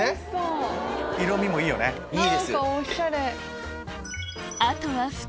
何かおしゃれ！